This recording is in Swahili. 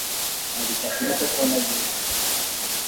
Alikasirika sana juzi